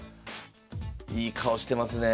いい顔してますねえ。